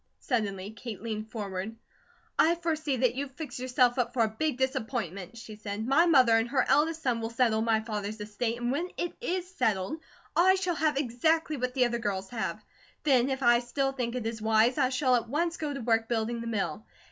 Suddenly Kate leaned forward. "I foresee that you've fixed yourself up for a big disappointment," she said. "My mother and her eldest son will settle my father's estate; and when it is settled I shall have exactly what the other girls have. Then if I still think it is wise, I shall at once go to work building the mill.